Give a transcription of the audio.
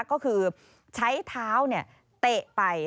ก็คือใช้เท้าเตะไป